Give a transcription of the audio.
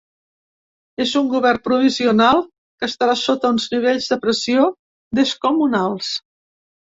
És un govern provisional que estarà sota uns nivells de pressió descomunals.